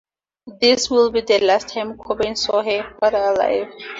This would be the last time Cobain saw her father alive.